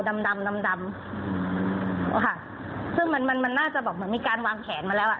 ดำดำดำดำดำค่ะซึ่งมันมันน่าจะแบบเหมือนมีการวางแผนมาแล้วอ่ะ